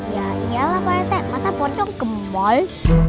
ya iyalah pt masa pocong ke mall